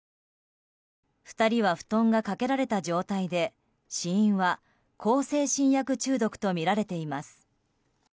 ２人は、布団がかけられた状態で死因は向精神薬中毒とみられています。